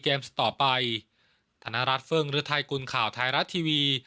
เกมส์ต่อไปธนรัฐเฟิร์งหรือไทยกุลข่าวไทยรัฐทีวี